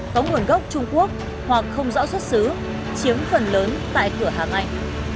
có nguồn gốc trung quốc hoặc không rõ xuất xứ chiếm phần lớn tại cửa hàng này